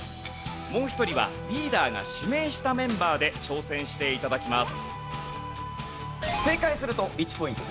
もう一人はリーダーが指名したメンバーで挑戦して頂きます。